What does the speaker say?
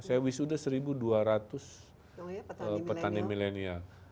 saya wish sudah seribu dua ratus petani millennial